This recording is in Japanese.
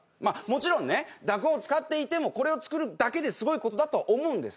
まあもちろんね濁音使っていてもこれを作るだけですごいことだと思う。